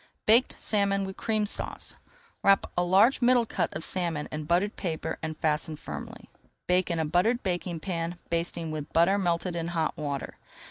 BAKED SALMON WITH CREAM SAUCE Wrap a large middle cut of salmon in buttered paper and fasten firmly. Bake in a buttered baking pan, basting with butter melted in hot water.